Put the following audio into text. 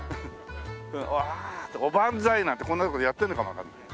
おばんざいなんてこんな所でやってるのかもわかんない。